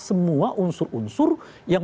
semua unsur unsur yang